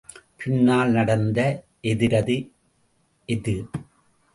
பின்னால் நடந்த எதிரது எது?